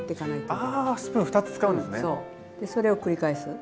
それを繰り返す。